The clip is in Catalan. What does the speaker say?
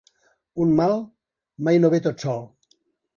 Un mal mai no ve tot sol.